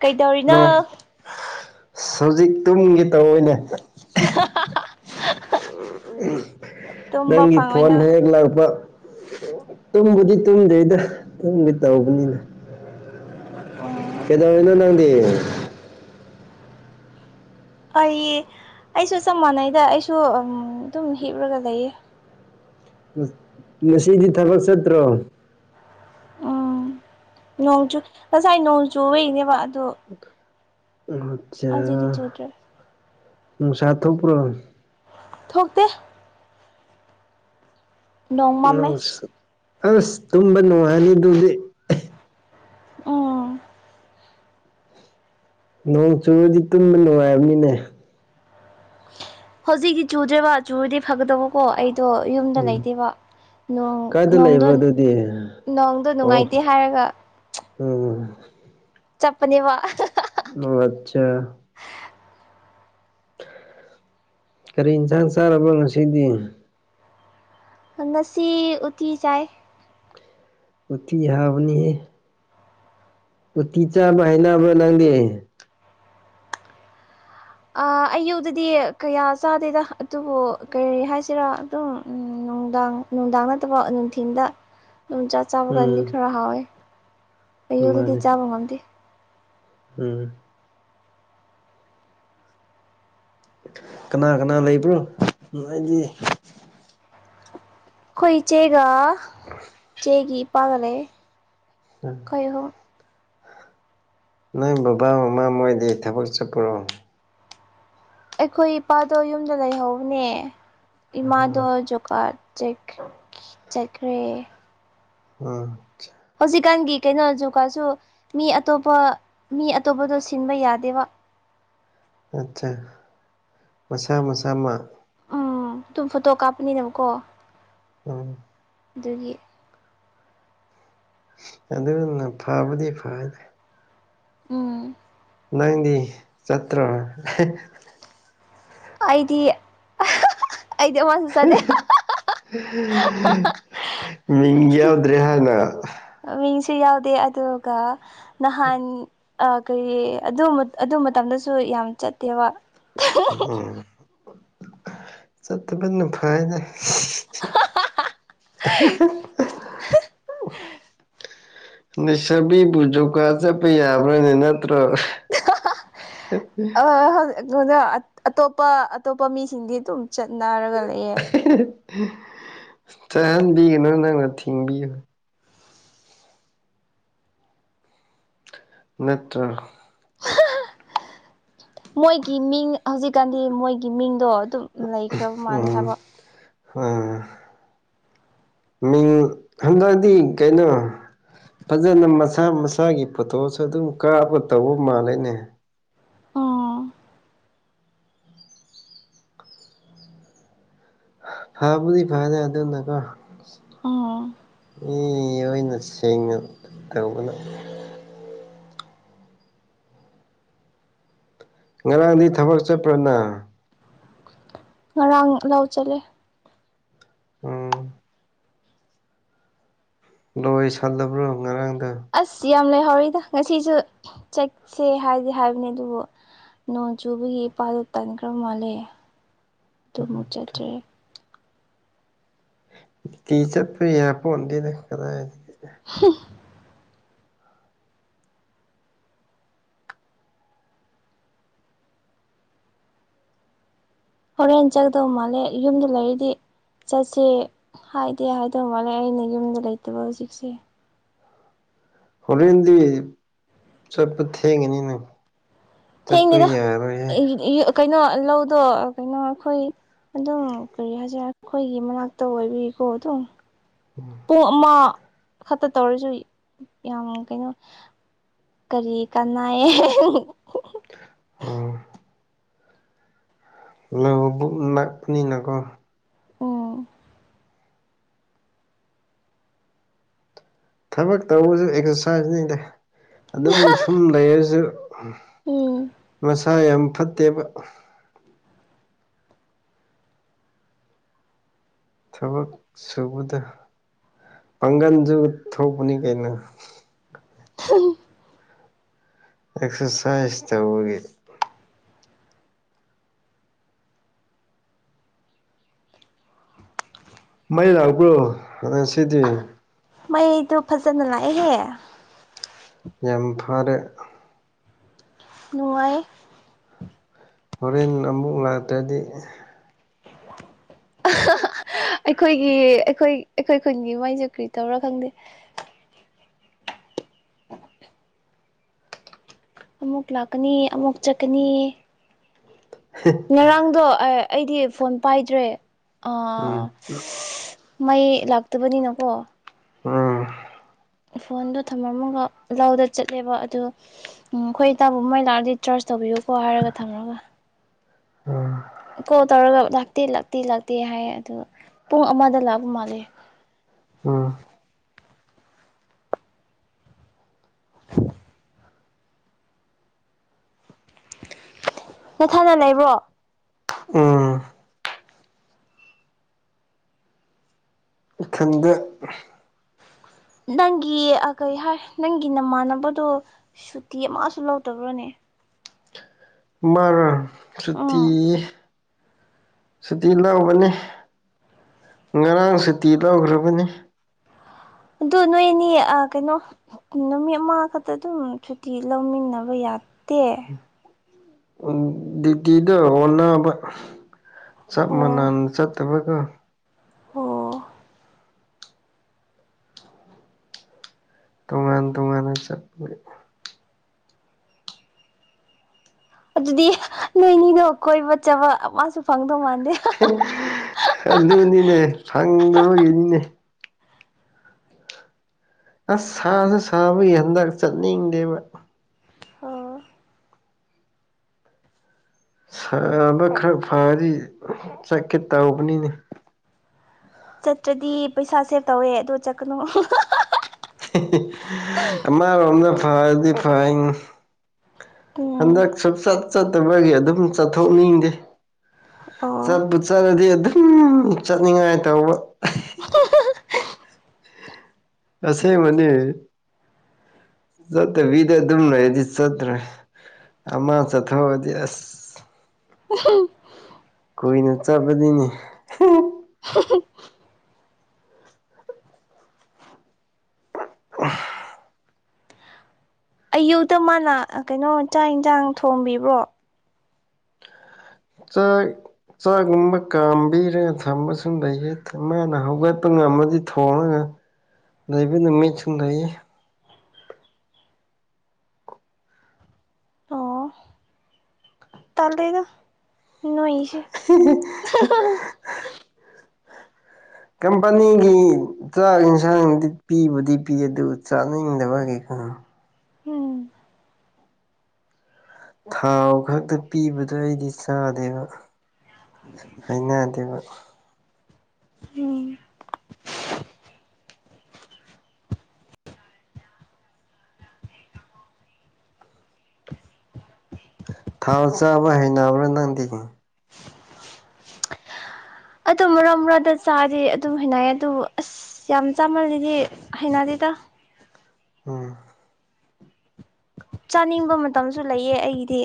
ꯀꯩꯗꯧꯔꯤꯅꯣ ꯅꯣꯏ ꯍꯧꯖꯤꯛ ꯇꯨꯡꯒꯒꯦ ꯇꯧꯑꯣꯏꯅꯦ [unintelligible] ꯇꯨꯝꯕ ꯅꯪꯒꯤ ꯐꯪꯉꯣꯏ ꯐꯣꯟ ꯅꯪ ꯍꯦꯛ ꯂꯥꯛꯄ ꯇꯨꯝꯕꯨꯗꯤ ꯇꯨꯝꯗ꯭ꯔꯦꯗ ꯇꯨꯝꯗꯤ ꯇꯧꯕꯅꯤꯅ ꯑꯣ ꯀꯗꯧꯔꯤꯅꯣ ꯅꯪꯗ ꯑꯩ ꯑꯩꯁꯨ ꯆꯞ ꯃꯥꯟꯅꯩꯗ ꯑꯩꯁꯨ ꯑꯗꯨꯝ ꯍꯤꯞꯂꯒ ꯂꯩꯌꯦ ꯉꯁꯤꯗꯤ ꯊꯕꯛ ꯆꯠꯇ꯭ꯔꯣ ꯎꯝ ꯅꯣꯡꯆꯨ ꯉꯁꯥꯏ ꯅꯣꯡ ꯆꯨꯕꯒꯤꯅꯦꯕ ꯑꯗꯨ ꯑꯠꯆꯥ ꯍꯧꯖꯤꯛꯇꯤ ꯆꯨꯗ꯭ꯔꯦ ꯅꯨꯡꯁꯥ ꯊꯣꯛꯄ꯭ꯔꯣ ꯊꯣꯛꯇꯦ ꯅꯣꯡ ꯎ ꯃꯝꯃꯦ ꯑꯁ ꯇꯨꯝ ꯅꯨꯡꯉꯅꯤꯗꯨꯗꯤ ꯎꯝ ꯅꯣꯡ ꯆꯨꯕꯗꯤ ꯇꯨꯝꯕ ꯅꯨꯡꯉꯥꯏꯕꯅꯤꯅꯦ ꯍꯧꯖꯤꯛꯤ ꯆꯨꯗ꯭ꯔꯦꯕ ꯆꯨꯗꯤ ꯐꯒꯗꯕꯀꯣ ꯑꯩ ꯗꯣ ꯌꯨꯝꯗ ꯂꯩꯇꯦꯕ ꯅꯣꯡ ꯅꯣꯡ [unintelligible] ꯗꯨꯗꯤ ꯅꯣꯡꯗꯣ ꯅꯨꯡꯉꯥꯏꯇꯦ ꯍꯥꯏꯔꯒ ꯎꯝ ꯆꯄꯅꯦꯕ ꯑꯣ ꯑꯆꯥ ꯀꯔꯤ ꯌꯦꯟꯁꯥꯡ ꯆꯥꯔꯕ ꯉꯁꯤꯗꯤ ꯉꯁꯤ ꯎꯇꯤ ꯆꯥꯏ ꯎꯇꯤ ꯍꯥꯏꯕꯅꯤꯍꯦ ꯎꯇꯤ ꯆꯥꯕ ꯍꯥꯏꯅꯕ꯭ꯔꯥ ꯅꯪꯗꯤ ꯑꯥ ꯑꯌꯨꯗꯗꯤ ꯀꯌꯥ ꯆꯥꯗꯦꯗ ꯑꯗꯨꯕꯨ ꯀꯔꯤ ꯍꯥꯏꯁꯤꯔꯥ ꯑꯗꯨꯝ ꯅꯨꯡꯗꯥꯡ ꯅꯨꯡꯗꯥꯡ ꯅꯠꯇꯕ ꯅꯨꯡꯊꯤꯟꯗ ꯗꯨꯝ ꯆꯥ ꯆꯥꯕ ꯀꯥꯟꯗꯤ ꯎꯝ ꯈꯔ ꯍꯥꯎꯋꯦ ꯑꯌꯨꯗꯗꯤ ꯃꯥꯅꯦ ꯆꯥꯕ ꯉꯝꯗꯦ ꯎꯝ ꯀꯅꯥ ꯀꯅꯥ ꯂꯩꯕ꯭ꯔꯣ ꯅꯣꯏꯗꯤ ꯈꯣꯏ ꯏꯆꯦꯒ [inaudible] ꯆꯦꯒꯤ ꯏꯄꯥꯒ ꯂꯩ ꯎꯝ ꯈꯣꯏ ꯑꯍꯨꯝ ꯅꯣꯏ ꯕꯕꯥ ꯃꯃꯥ ꯃꯣꯏꯗꯤ ꯊꯕꯛ ꯆꯠꯄꯔꯣ ꯑꯩꯈꯣꯏ ꯏꯄꯥꯗꯣ ꯌꯨꯝꯗ ꯂꯩꯍꯧꯕꯅꯦ ꯏꯃꯥꯗꯣ ꯖꯣꯀꯥꯔꯠ ꯆꯦꯛ ꯆꯠꯈ꯭ꯔꯦ ꯎꯝ ꯍꯧꯖꯤꯛꯀꯥꯟꯒꯤ ꯀꯩꯅꯣ ꯖꯣꯕꯀꯥꯗꯁꯨ ꯃꯤ ꯑꯇꯣꯞꯄ ꯃꯤ ꯑꯇꯣꯞꯄꯗꯣ ꯁꯤꯟꯕ ꯌꯥꯗꯦꯕ ꯑꯠꯆꯥ ꯃꯁꯥ ꯃꯁꯥꯃꯛ ꯎꯝ ꯑꯗꯨꯝ ꯐꯣꯇꯣ ꯀꯥꯞꯄꯅꯤꯗꯕꯀꯣ ꯎꯝ ꯗꯨꯒꯤ ꯑꯗꯨꯅ ꯐꯕꯨꯗꯤ ꯐꯗꯦ ꯎꯝ ꯅꯪꯗꯤ ꯆꯠꯇ꯭ꯔꯣ ꯑꯩꯗꯤ ꯑꯩꯗꯤ ꯑꯃꯁꯨ ꯆꯠꯗꯦ ꯃꯤꯡ ꯌꯥꯎꯗ꯭ꯔꯦ ꯍꯥꯏꯅ ꯃꯤꯡꯁꯨ ꯌꯥꯎꯗꯦ ꯑꯗꯨꯒ ꯅꯍꯥꯟ ꯑ ꯀꯩ ꯑꯗꯨ ꯑꯗꯨ ꯃꯇꯝꯗꯁꯨ ꯌꯥꯝ ꯆꯠꯇꯦꯕ ꯎꯝ ꯆꯠꯇꯕꯅ ꯐꯩꯗ [unintelligible] [unintelligible] [unintelligible] ꯅꯩꯁꯥꯕꯤꯕꯨ ꯖꯣꯕꯀꯥꯔꯠ ꯆꯠꯄ ꯌꯥꯕ꯭ꯔꯥꯅꯦ ꯅꯠꯇ꯭ꯔꯣ [unintelligible] ꯑꯇꯣꯞꯄ ꯑꯇꯣꯞꯄ ꯃꯤꯁꯤꯡꯗꯤ ꯑꯗꯨꯝ ꯆꯠꯅꯔꯒ ꯂꯩꯌꯦ ꯆꯠꯍꯟꯕꯤꯒꯅꯨ ꯅꯪꯅ ꯊꯤꯡꯕꯤ ꯅꯠꯇ꯭ꯔ ꯃꯣꯏꯒꯤ ꯃꯤꯡ ꯍꯧꯖꯤꯛꯀꯥꯟꯗꯤ ꯃꯣꯏꯒꯤ ꯃꯤꯡꯗꯣ ꯑꯗꯨꯝ ꯂꯩꯈ꯭ꯔꯕ ꯃꯥꯜꯂꯦ ꯍꯥꯏꯕ ꯑ ꯃꯤꯡ ꯍꯟꯗꯛꯗꯤ ꯀꯩꯅꯣ ꯐꯖꯅ ꯃꯁꯥ ꯃꯁꯥꯒꯤ ꯐꯣꯇꯣꯁꯨ ꯑꯗꯨꯝ ꯀꯥꯞꯒ ꯇꯧꯕ ꯃꯥꯜꯂꯦꯅꯦ ꯎꯝ ꯍꯥꯥ ꯄꯨꯔꯤ ꯐꯥꯏꯗꯔ ꯑꯗꯨꯅ ꯀ ꯑꯥ ꯃꯤ ꯑꯣꯏꯅ ꯁꯦꯡꯅ ꯇꯧꯕꯅ ꯉꯔꯥꯡꯗꯤ ꯊꯕꯛ ꯆꯠꯄ꯭ꯔꯅ ꯉꯔꯥꯡ ꯂꯧ ꯆꯠꯂꯦ ꯎꯝ ꯂꯣꯏꯁꯜꯂꯕ꯭ꯔꯣ ꯉꯔꯥꯡꯗ ꯑꯁ ꯌꯥꯝ ꯂꯩꯍꯧꯔꯤꯗ ꯉꯁꯤꯁꯨ ꯆꯠꯁꯦ ꯍꯥꯏꯗꯤ ꯍꯥꯏꯕꯅꯦ ꯑꯗꯨꯕꯨ ꯅꯣꯡ ꯆꯨꯕꯒꯤ ꯏꯄꯥꯗꯣ ꯇꯟꯈ꯭ꯔ ꯃꯥꯜꯂꯦ ꯑꯗꯨꯃꯨꯛ ꯆꯠꯇ꯭ꯔꯦ ꯇꯤ ꯆꯠꯄ ꯋꯥꯄꫭꯟꯇ‌ꯦ ꯀꯗꯥꯗꯤ ꯍꯝ ꯍꯣꯔꯦꯟ ꯆꯪꯗꯧ ꯃꯥꯜꯂꯦ ꯌꯨꯝꯗ ꯂꯩꯔꯤꯗꯤ ꯆꯠꯁꯦ ꯍꯥꯏꯗꯦ ꯍꯥꯏꯗꯧ ꯃꯥꯜꯂꯦ ꯑꯩꯅ ꯌꯨꯝꯗ ꯂꯩꯇꯕ ꯍꯧꯖꯤꯛꯁꯦ ꯍꯣꯔꯦꯟꯦꯟꯗꯤ ꯆꯠꯄ ꯊꯦꯡꯉꯅꯤꯅ ꯆꯠꯄ ꯊꯦꯡꯅꯤꯗ ꯌꯥꯔꯣꯏꯍꯦ ꯀꯩꯅꯣ ꯂꯧꯗꯣ ꯀꯩꯅꯣ ꯑꯩꯈꯣꯏ ꯑꯗꯨꯝ ꯀꯔꯤ ꯍꯥꯏꯁꯤꯔ ꯑꯩꯈꯣꯏꯒꯤ ꯃꯅꯥꯛꯇ ꯑꯣꯏꯕꯒꯤꯀꯣ ꯑꯗꯨꯝ [unintelligible] ꯑꯃ ꯈꯛꯇ ꯇꯧꯔꯁꯨ ꯌꯥꯝ ꯀꯩꯅꯣ ꯀꯔꯤ ꯀꯅꯥꯌꯦ ꯑꯥ ꯍꯜꯂꯣ ꯕꯨꯛ ꯅꯛꯄꯅꯤꯅꯥꯀꯣ ꯑꯣ ꯊꯕꯛ ꯇꯧꯕꯁꯨ ꯑꯦꯛꯁꯔꯁꯥꯏꯖꯅꯤꯗ ꯑꯗꯨꯝ ꯁꯨꯝ ꯂꯩꯔꯁꯨ ꯎꯝ ꯃꯁꯥ ꯌꯥꯝ ꯐꯠꯇꯦꯕ ꯊꯕꯛ ꯁꯨꯕꯗ ꯄꯥꯡꯒꯜꯁꯨ ꯊꯣꯛꯄꯅꯤ ꯀꯩꯅꯣ ꯎ [unintelligible] ꯑꯦꯛꯁꯔꯁꯥꯏꯁ ꯇꯧꯋꯦ ꯃꯩ ꯂꯥꯛꯄ꯭ꯔꯣ ꯉꯥꯁꯤꯗꯤ ꯃꯩꯗꯣ ꯐꯖꯅ ꯂꯥꯛꯏꯍꯦ ꯌꯥꯝ ꯐꯔꯦ ꯅꯨꯡꯥꯏ ꯍꯣꯔꯦꯟ ꯑꯃꯨꯛ ꯂꯥꯛꯇ꯭ꯔꯗꯤ [unintelligible] ꯑꯩꯈꯣꯏꯒꯤ ꯑꯩꯈꯣꯏ ꯑꯩꯈꯣꯏ ꯈꯨꯟꯒꯤ ꯃꯩꯁꯦ ꯀꯨꯔꯤ ꯇꯧꯔ ꯈꯪꯗꯦ ꯑꯃꯨꯛ ꯂꯥꯛꯀꯅꯤ ꯑꯃꯨꯛ ꯆꯠꯀꯅꯤ ꯉꯔꯥꯡꯗꯣ ꯑꯩꯗꯤ ꯐꯣꯟ ꯄꯥꯏꯗ꯭ꯔꯦ ꯎꯝ ꯃꯥꯏ ꯂꯥꯛꯇꯕꯅꯤ ꯅ ꯀꯣ ꯎꯝ ꯐꯣꯟꯗꯣ ꯊꯝꯃꯝꯃꯒ ꯂꯥꯎꯗ ꯆꯠꯂꯦꯕ ꯑꯗ ꯎꯝ ꯑꯩꯈꯣꯏ ꯏ ꯇꯥꯕꯃꯩ ꯂꯥꯛꯑꯗꯤ ꯆ꯭ꯔꯔꯁ ꯇꯧꯕꯤꯌꯨꯀꯣ ꯍꯥꯏꯔꯒ ꯊꯝꯃꯒ ꯎꯝ ꯀꯣꯜ ꯇꯧꯔꯒ ꯂꯥꯛꯇꯦ ꯂꯥꯛꯇꯦ ꯂꯥꯛꯇꯦ ꯍꯥꯏ ꯑꯗꯨ ꯄꯨꯡ ꯑꯃꯗ ꯂꯥꯛꯄ ꯃꯥꯜꯂꯦ ꯎꯝ [unintelligible] ꯅꯣꯠꯊꯅ ꯂꯩꯕ꯭ꯔꯣ ꯎꯝ ꯈꯪꯗꯦ ꯅꯪꯒꯤ ꯀꯩ ꯍꯥꯏ ꯅꯪꯒꯤ ꯅꯃꯥꯟꯅꯕꯗꯣ ꯁꯨꯇꯤ ꯑꯃꯁꯨ ꯂꯧꯗꯕ꯭ꯔꯣꯅꯦ ꯃꯔꯥ ꯁꯨꯇꯤ ꯎꯝ ꯁꯨꯇꯤ ꯂꯧꯕꯅꯤ ꯉꯔꯥꯡ ꯁꯨꯇꯤ ꯂꯧꯈ꯭ꯔꯕꯅꯤ ꯑꯗꯨ ꯅꯣꯏꯅꯤ ꯑ ꯀꯩꯅꯣ ꯅꯨꯃꯤꯠ ꯑꯃꯥ ꯈꯛꯇ ꯑꯗꯨꯝ ꯁꯨꯇꯤ ꯂꯧꯃꯤꯟꯅꯕ ꯌꯥꯗꯦ ꯗꯨꯇꯤꯗꯣ ꯑꯣꯟꯅꯕ ꯆꯞ ꯑꯣ ꯃꯥꯟꯅꯅ ꯆꯠꯇꯕꯒ ꯑꯣ ꯇꯣꯉꯥꯟ ꯇꯣꯉꯥꯟꯅ ꯆꯠꯄ ꯑꯗꯨꯗꯤ ꯅꯣꯏꯅꯤꯅꯣ ꯀꯣꯏꯕ ꯆꯕ ꯑꯃꯁꯁꯨ ꯐꯪꯗꯧ ꯃꯥꯟꯗꯦ ꯑꯗꯨꯅꯤꯅꯦ ꯁꯪꯗꯔꯒꯤꯅꯤꯅꯦ ꯑꯁ ꯁꯥꯁꯨ ꯁꯥꯕꯒꯤ ꯍꯟꯗꯛ ꯆꯠꯅꯤꯡꯗꯦꯕ ꯑꯣ ꯁꯥꯕ ꯈꯔ ꯐꯗꯤ ꯆꯠꯀꯦ ꯇꯧꯕꯅꯤꯅ ꯆꯠꯇ꯭ꯔꯗꯤ ꯄꯩꯁꯥ ꯁꯦꯞ ꯇꯧꯋꯦ ꯑꯗꯨ ꯆꯠꯀꯅꯨ ꯑꯃꯔꯣꯝꯗ ꯐꯔꯗꯤ ꯐꯩ ꯎꯝ ꯍꯟꯗꯛ ꯁꯨꯆꯠ ꯆꯠꯇꯕꯒꯤ ꯑꯗꯨꯝ ꯆꯠꯊꯣꯛꯅꯤꯡꯗꯦ ꯑꯣ ꯆꯠꯄ ꯆꯠꯂꯗꯤ ꯑꯗꯨꯝ ꯆꯠꯅꯤꯡꯉꯥꯏ ꯇꯧꯕ ꯑꯁꯦ ꯃꯅꯤ ꯆꯠꯇ ꯗ ꯑꯗꯨꯝꯅ ꯍꯥꯏꯗꯤ ꯆꯇ꯭ꯔ ꯑꯃ ꯆꯊꯗꯤ ꯑꯁ ꯎ ꯀꯨꯏꯅ ꯆꯥꯕꯗꯤꯅꯦ ꯑꯌꯨꯛꯇ ꯃꯥꯅ ꯀꯩꯅꯣ ꯆꯥꯛ ꯏꯟꯁꯥꯡ ꯊꯣꯡꯕꯤꯕ꯭ꯔꯣ ꯆ ꯆꯥꯛꯒꯨꯝꯕ ꯀꯥꯝꯕꯤꯔꯒ ꯊꯝꯕꯁꯨ ꯂꯩꯌꯦ ꯃꯥꯅ ꯍꯧꯒꯠꯄ ꯉꯝꯃꯗꯤ ꯊꯣꯡꯉꯒ ꯂꯩꯕ ꯅꯨ ꯃꯤꯠ ꯆꯤꯡ ꯂꯩꯌꯦ ꯇꯥꯂꯦꯗ ꯅꯣꯏꯁꯨ ꯀꯝꯄꯅꯤꯒꯤ ꯆꯥꯛ ꯌꯦꯟꯁꯥꯡꯗꯤ ꯄꯤꯕꯨꯗꯤ ꯄꯤ ꯑꯗꯨ ꯆꯥꯅꯤꯡꯗꯕꯒꯤꯩꯀꯣ ꯎꯝ ꯊꯥꯎ ꯈꯛꯇ ꯄꯤꯕꯗꯣ ꯑꯩꯗꯤ ꯆꯥꯗꯦꯕ ꯎ ꯑꯩꯅ ꯑꯗꯨꯒ ꯎꯝ ꯊꯥꯎ ꯆꯥꯕ ꯍꯩꯅꯕ꯭ꯔꯥ ꯅꯪꯗꯤ ꯑꯗꯨ ꯃꯔꯛ ꯃꯔꯛꯗ ꯆꯥꯗꯤ ꯑꯗꯨꯝ ꯍꯥꯏꯅꯏ ꯑꯗꯨꯕꯨ ꯑꯁ ꯑꯁ ꯌꯥꯝ ꯆꯥꯃꯜꯂꯤꯗꯤ ꯍꯩꯅꯗꯤꯗ ꯎꯝ ꯆꯥꯅꯤꯡꯕ ꯃꯇꯝꯁꯨ ꯂꯩꯌꯦ ꯑꯩꯗꯤ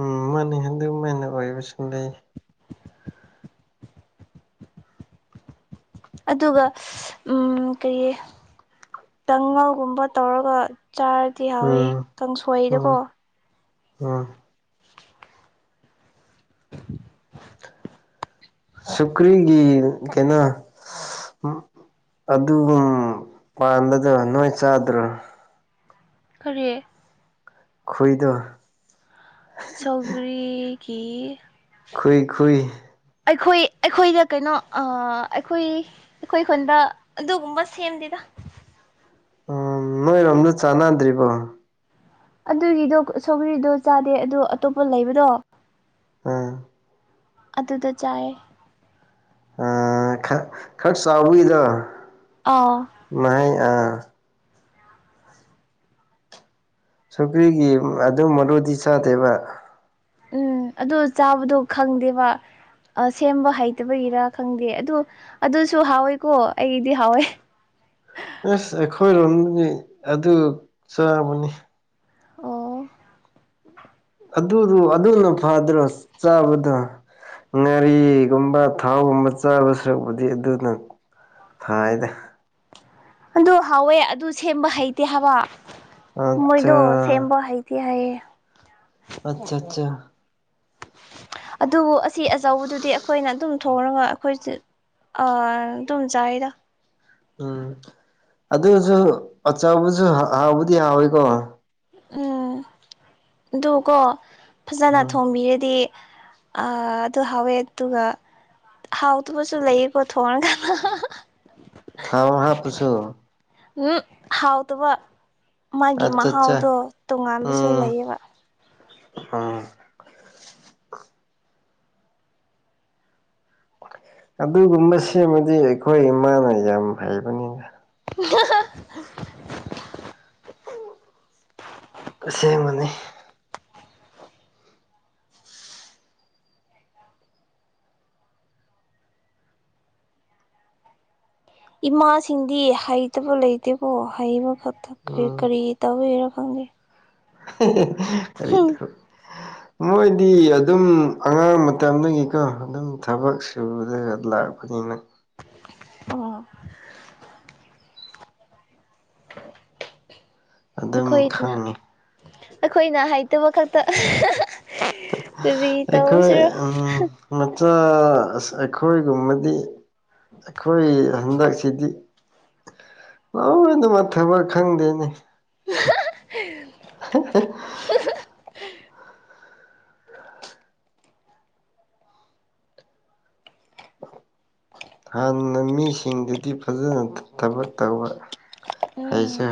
ꯎꯝ ꯃꯥꯅ ꯍꯟꯗꯨ ꯃꯥꯅ ꯑꯣꯏꯕꯁꯨ ꯂꯩ ꯑꯗꯨꯒ ꯎ ꯀꯩ ꯇꯉꯜꯒꯨꯝꯕ ꯇꯧꯔꯒ ꯆꯥꯔꯗꯤ ꯍꯥꯎꯋꯤ ꯎꯝ ꯀꯥꯡꯁꯣꯏꯗꯀꯣ ꯎꯝ ꯎꯝ ꯁꯨꯀ꯭ꯔꯤꯒꯤ ꯀꯩꯅꯣ ꯑꯗꯨꯒꯨꯝ ꯄꯥꯟꯕꯗ ꯅꯣꯏ ꯆꯥꯗ꯭ꯔꯣ ꯀꯔꯤ ꯈꯏꯗꯣ ꯁꯧꯒꯔꯤꯒꯤ ꯈꯨꯏ ꯈꯏ ꯑꯩꯈꯣꯏ ꯑꯩꯈꯣꯏꯗ ꯀꯩꯅꯣ ꯑꯩꯈꯣꯏ ꯑꯩꯈꯣꯏ ꯈꯨꯟꯗ ꯑꯗꯨꯒꯨꯝꯕ ꯁꯦꯝꯗꯦꯗ ꯎꯝ ꯅꯣꯏꯔꯣꯝꯗ ꯆꯥꯟꯅꯗ꯭ꯔꯤꯕꯣ ꯑꯗꯨꯒꯤꯗꯣ ꯁꯣꯒꯔꯤꯗꯣ ꯆꯥꯗꯦ ꯑꯗꯣ ꯑꯇꯣꯞꯄ ꯂꯩꯕꯗꯣ ꯑꯝ ꯑꯗꯨꯗ ꯆꯥꯏ ꯈꯔ ꯈꯔ ꯆꯥꯎꯕꯒꯤꯗ ꯑꯥ ꯉꯍ ꯑ ꯁꯨꯀ꯭ꯔꯤꯒꯤ ꯑꯗꯨꯝ ꯃꯔꯨꯗꯤ ꯆꯥꯗꯦꯕ ꯎꯝ ꯑꯗꯨ ꯆꯥꯕꯗꯣ ꯈꯪꯗꯦꯕ ꯁꯦꯝꯕ ꯍꯩꯇꯕꯒꯤꯔ ꯈꯪꯗꯦ ꯑꯗꯨ ꯑꯗꯨꯁꯨ ꯍꯥꯎꯋꯦꯀꯣ ꯑꯩꯗꯤ ꯍꯥꯎꯋꯦ ꯑꯁ ꯑꯩꯈꯣꯏꯔꯣꯝꯗꯤ ꯑꯗꯨ ꯆꯥꯕꯅꯤ ꯑꯣ ꯑꯗꯨꯗꯨ ꯑꯗꯨꯅ ꯐꯗ꯭ꯔꯣ ꯆꯥꯕꯗ ꯉꯥꯔꯤꯒꯨꯝꯕ ꯊꯥꯎꯒꯨꯝꯕ ꯆꯥꯕ ꯁꯔꯨꯛꯄꯗꯤ ꯑꯗꯨꯅꯪ ꯐꯥꯏꯗꯦ ꯑꯗꯨ ꯍꯥꯎꯋꯦ ꯑꯗꯨ ꯁꯦꯝꯕ ꯍꯩꯇꯦ ꯍꯥꯏꯕ ꯑꯠꯆꯥ ꯃꯣꯏꯗꯣ ꯁꯦꯝꯕꯣ ꯍꯥꯏꯗꯤꯤ ꯍꯥꯏ ꯑꯆꯥ ꯑꯆꯥ ꯑꯗꯨꯕꯨ ꯑꯁꯤ ꯑꯆꯧꯕꯗꯨꯗꯤ ꯑꯩꯈꯣꯏꯅ ꯑꯗꯨꯝ ꯊꯣꯡꯉꯒ ꯑꯩꯈꯣꯏ ꯑꯗꯨꯝ ꯆꯔꯤꯗ ꯎꯝ ꯑꯗꯨꯁꯨ ꯑꯆꯧꯕꯁꯨ ꯍꯥꯎꯕꯨꯗꯤ ꯍꯥꯎꯋꯏꯀꯣ ꯎꯝ ꯑꯗꯨꯀꯣ ꯐꯖꯅ ꯊꯣꯡꯝꯕꯤꯔꯗꯤ ꯑꯗꯨ ꯍꯥꯎꯋꯦ ꯑꯗꯨꯒ ꯍꯥꯎꯗꯨꯕꯁꯨ ꯂꯩꯌꯦꯀꯣ ꯊꯣꯡ ꯀꯥꯟꯗ ꯊꯥꯎ ꯍꯥꯞꯄꯁꯨꯣ ꯍꯥꯎꯇꯕ ꯃꯥꯒꯤ ꯑꯠꯆꯥꯆꯥ ꯃꯍꯥꯎꯗꯣ ꯇꯣꯉꯥꯟꯕꯁꯨ ꯂꯩꯌꯦꯕ ꯑ ꯑꯗꯨꯒꯨꯝꯕ ꯁꯦꯝꯃꯗꯤ ꯑꯩꯈꯣꯏ ꯏꯃꯥꯅ ꯌꯥꯝ ꯍꯩꯕꯅꯤꯅ ꯑ ꯑꯁꯦꯡꯕꯅꯤ ꯏꯃꯥꯁꯤꯡꯗꯤ ꯍꯩꯇꯕ ꯂꯩꯇꯦꯀꯣ ꯍꯩꯕ ꯈꯛꯇ ꯀꯔꯤ ꯇꯧꯋꯔ ꯈꯪꯗꯦ ꯐꯔꯤ ꯊ [unintelligible] ꯃꯣꯏꯗꯤ ꯑꯗꯨꯝ ꯑꯉꯥꯡ ꯃꯇꯝꯗꯒꯤꯀꯣ ꯑꯗꯨꯝ ꯊꯕꯛ ꯁꯨꯔꯗ ꯂꯥꯛꯄꯅꯤꯅ ꯑꯣ ꯑꯗꯨꯝ ꯑꯩꯈꯣꯏꯅ ꯈꯪꯉꯤ ꯑꯩꯈꯣꯏꯅ ꯍꯥꯏꯩꯇꯕ ꯈꯛꯇ ꯔꯔꯤ ꯇ ꯑꯩꯈꯣꯏ ꯁꯤꯔ ꯎꯝ ꯃꯆꯥ ꯑꯩꯈꯣꯏꯒꯨꯝꯕꯗꯤ ꯑꯩꯈꯣꯏ ꯍꯟꯗꯛꯁꯤꯗꯤ ꯂꯣꯏꯅ ꯃꯊꯕ ꯈꯪꯗꯦꯅꯦ [inaudible] [inaudible] ꯍꯥꯟꯅ ꯃꯤꯁꯤꯡꯗꯗꯤ ꯐꯖꯅ ꯊꯕꯛ ꯇꯧꯕ ꯍꯩꯁꯨ ꯎꯝ